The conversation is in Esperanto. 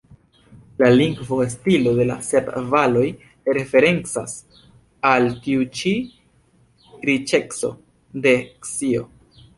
La lingvo-stilo de la "Sep Valoj" referencas al tiu ĉi riĉeco de scio.